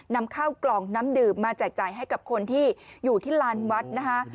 นำข้าวกล่องน้ำดื่มมาแจกจ่ายให้กับคนที่อยู่ที่ลานวัดนะคะ